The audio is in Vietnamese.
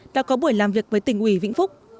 đã có buổi làm việc với tỉnh ủy vĩnh phúc